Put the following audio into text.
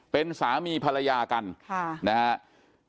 เป็นสามีภรรยากันนะครับ